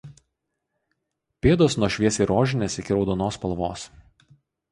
Pėdos nuo šviesiai rožinės iki raudonos spalvos.